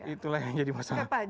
itulah yang jadi masalah